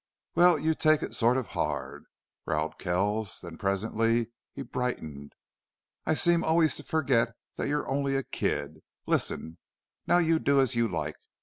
"Well, you take it sort of hard," growled Kells. Then presently he brightened. "I seem always to forget that you're only a kid. Listen! Now you do as you like.